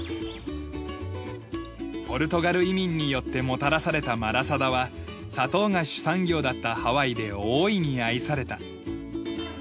ポルトガル移民によってもたらされたマラサダは砂糖が主産業だったハワイで大いに愛された。